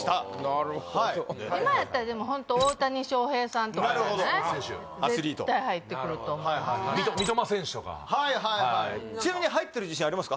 なるほど今やったら大谷翔平さんとかなるほど絶対入ってくると思う三笘選手とかはいはいはいちなみに入ってる自信ありますか？